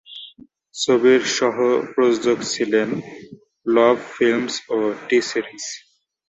ছবির সহ-প্রযোজক ছিল লব ফিল্মস ও টি-সিরিজ।